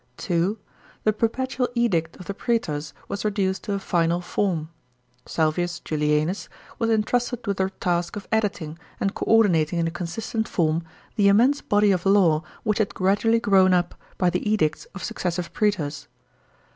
(2) The Perpetual Edict of the praetors was reduced to a final form. Salvius Julianus was entrusted with the frisk of editing, and co ordinating in a consistent form, the immense body of law which had gradually grown up. by the edicts of successive prsetors.